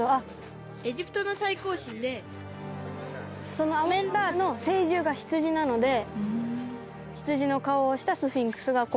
そのアメン・ラーの聖獣が羊なので羊の顔をしたスフィンクスがこう並んでいる。